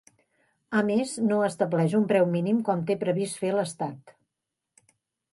A més, no estableix un preu mínim com té previst fer l'Estat.